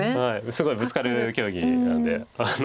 すごいぶつかる競技なんで。